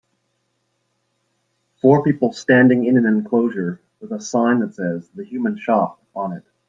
Four people standing in an enclosure with a sign that says The Human Shop on it